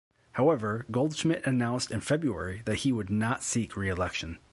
However, Goldschmidt announced in February that he would not seek re-election.